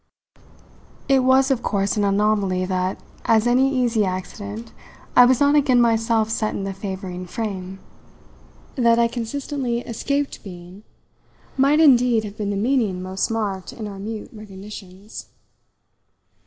It was of course an anomaly that, as an easy accident, I was not again myself set in the favouring frame. That I consistently escaped being might indeed have been the meaning most marked in our mute recognitions.